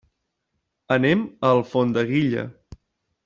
Anem a Alfondeguilla.